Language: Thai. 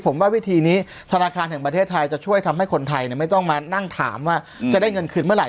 ผมว่าวิธีนี้ธนาคารแห่งประเทศไทยจะช่วยทำให้คนไทยไม่ต้องมานั่งถามว่าจะได้เงินคืนเมื่อไห